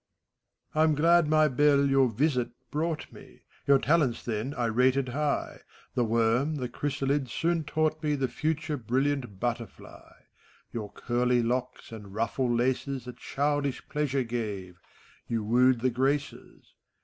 MEPHISTOPHELES. I'm glad my bell your visit brought me. Your talents, then, I rated high ; The worm, the chrysalid soon taught me The future brilliant butterfly. Your curly locks and ruffle laces A childish pleasure gave; you wooed the graces.